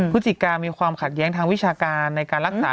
พฤศจิกามีความขัดแย้งทางวิชาการในการรักษา